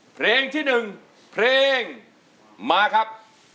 เพลงที่หนึ่งเพลงมาครับ